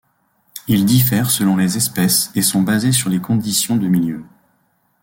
Ils diffèrent selon les espèces et sont basés sur les conditions de milieu.